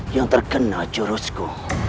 yang terkena jurusku